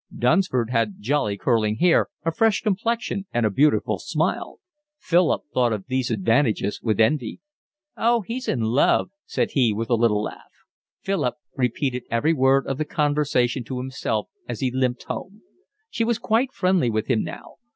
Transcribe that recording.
Dunsford had jolly curling hair, a fresh complexion, and a beautiful smile. Philip thought of these advantages with envy. "Oh, he's in love," said he, with a little laugh. Philip repeated every word of the conversation to himself as he limped home. She was quite friendly with him now.